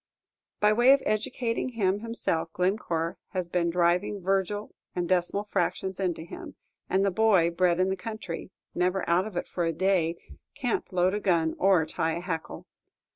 By way of educating him himself, Glencore has been driving Virgil and decimal fractions into him; and the boy, bred in the country, never out of it for a day, can't load a gun or tie a hackle.